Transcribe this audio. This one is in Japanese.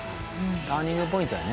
ターニングポイントだよね。